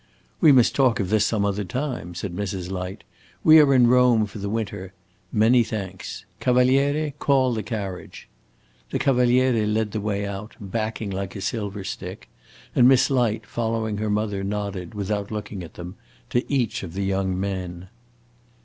"We must talk of this some other time," said Mrs. Light. "We are in Rome for the winter. Many thanks. Cavaliere, call the carriage." The Cavaliere led the way out, backing like a silver stick, and Miss Light, following her mother, nodded, without looking at them, to each of the young men.